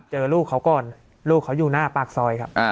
เจอลูกเขาก่อนลูกเขาอยู่หน้าปากซอยครับ